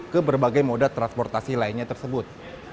ke berbagai moda transportasi lainnya tersebut